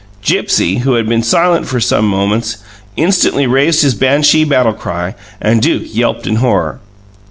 Gipsy, who had been silent for some moments, instantly raised his banshee battlecry, and Duke yelped in horror.